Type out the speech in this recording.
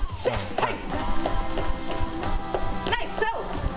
はい！